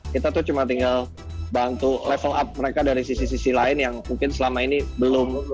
kita tuh cuma tinggal bantu level up mereka dari sisi sisi lain yang mungkin selama ini belum